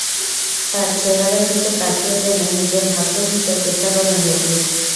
তাঁর চেহারার দিকে তাকিয়ে যেন নিজের ভাগ্য বুঝতে চেষ্টা করেন রোগী।